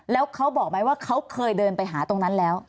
แล้วเขาบอกไหมว่าเขาเคยเดินไปหาตรงนั้นแล้ว